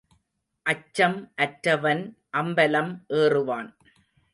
அச்சம் அற்றவன் அம்பலம் ஏறுவான்.